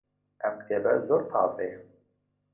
ئەم کتێبە زۆر تازەیە.